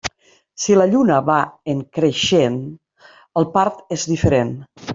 Si la lluna va en creixent, el part és diferent.